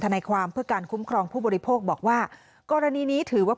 นายความเพื่อการคุ้มครองผู้บริโภคบอกว่ากรณีนี้ถือว่า